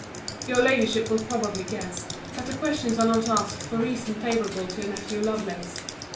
Your Ladyship will probably guess, that the questions are not asked for reasons favourable to your nephew Lovelace.